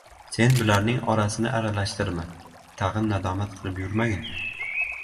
Sen bularning orasini aralashtirma, tag‘in nadomat qilib yurmagin.